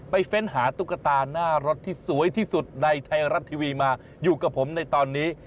เฟ้นหาตุ๊กตาหน้ารถที่สวยที่สุดในไทยรัฐทีวีมาอยู่กับผมในตอนนี้